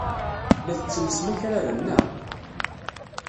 La tettellsem akraren, naɣ?